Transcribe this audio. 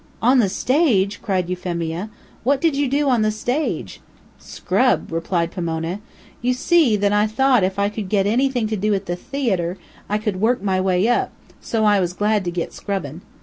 "On the stage!" cried Euphemia. "What did you do on the stage?" "Scrub," replied Pomona. "You see that I thought if I could get anything to do at the theayter, I could work my way up, so I was glad to get scrubbin'.